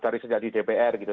dari sejati dpr gitu